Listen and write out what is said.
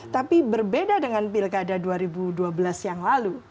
tapi berbeda dengan pilkada dua ribu dua belas yang lalu